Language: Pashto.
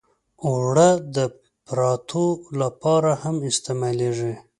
اوړه د پراتو لپاره هم استعمالېږي